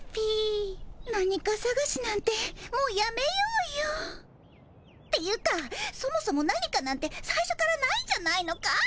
何かさがしなんてもうやめようよっていうかそもそも何かなんてさいしょからないんじゃないのかい。